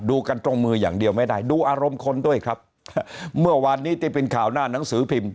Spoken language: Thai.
กันตรงมืออย่างเดียวไม่ได้ดูอารมณ์คนด้วยครับเมื่อวานนี้ที่เป็นข่าวหน้าหนังสือพิมพ์